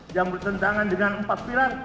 yang bertentangan dengan empat pilar